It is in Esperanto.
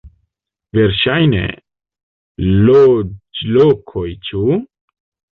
Verŝajne, loĝlokoj, ĉu?